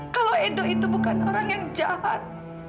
kalau edo itu bukan orang yang jahat